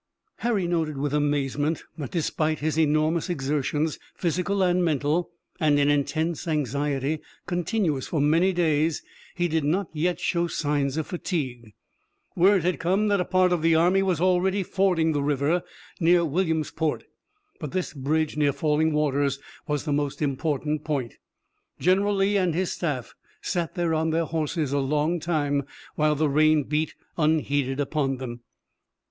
Harry noted with amazement that despite his enormous exertions, physical and mental, and an intense anxiety, continuous for many days, he did not yet show signs of fatigue. Word had come that a part of the army was already fording the river, near Williamsport, but this bridge near Falling Waters was the most important point. General Lee and his staff sat there on their horses a long time, while the rain beat unheeded upon them.